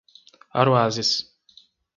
Aroazes